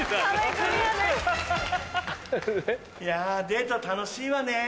デート楽しいわね。